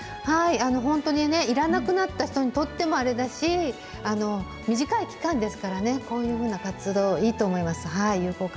本当にね、いらなくなった人にとってもあれだし、短い期間ですからね、こういうふうな活動、いいと思います。